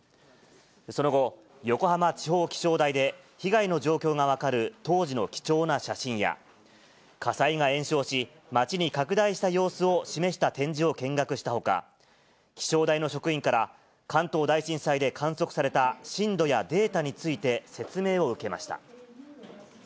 その後、横浜地方気象台で被害の状況が分かる当時の貴重な写真や、火災が延焼し、街に拡大した様子を示した展示を見学したほか、気象台の職員から、関東大震災で観測された震度やデータについて説明を受けました。